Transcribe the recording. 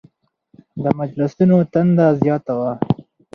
د مجلسونو تنده زیاته وه.